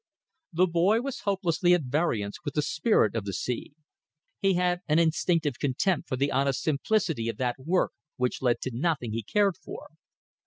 The boy was hopelessly at variance with the spirit of the sea. He had an instinctive contempt for the honest simplicity of that work which led to nothing he cared for.